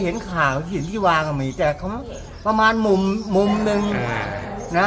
เห็นข่าวทิศพิวางอ่ะมีแต่เขาประมาณหมุมมุมหนึ่งน่ะ